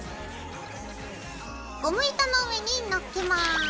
ゴム板の上にのっけます。